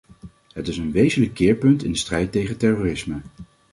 Het is een wezenlijk keerpunt in de strijd tegen terrorisme.